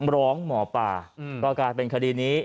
ร้องหมอปลาก็กลายเป็นคดีนี้